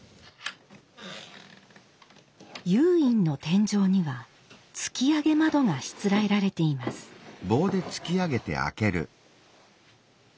又隠の天井には突き上げ窓がしつらえられています。